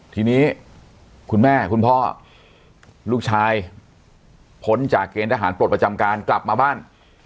ทีนี้คุณแม่คุณพ่อลูกชายพ้นจากเกณฑ์ทหารปลดประจำการกลับมาบ้าน